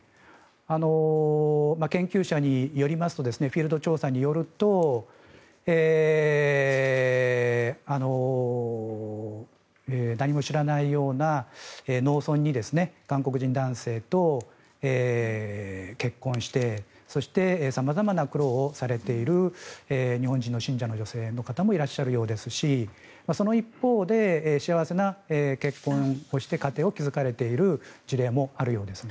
研究者によりますとフィールド調査によると何も知らないような農村に韓国人男性と結婚してそして、様々な苦労をされている日本人の信者の女性もいらっしゃるようですしその一方で、幸せな結婚をして家庭を築かれている事例もあるようです。